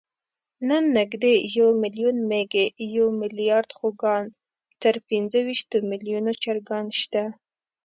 نن نږدې یو میلیون مېږې، یو میلیارد خوګان، تر پینځهویشتو میلیونو چرګان شته.